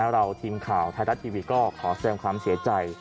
ทีมข่าวไทยรัฐทีวีก็ขอแสดงความเสียใจ